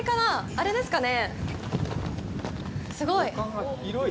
あれですかね。